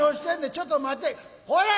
ちょっと待て。こら！